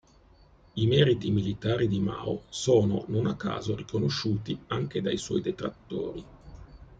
I meriti militari di Mao sono non a caso riconosciuti anche dai suoi detrattori.